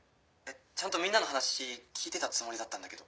ちゃんとみんなの話聞いてたつもりだったんだけど。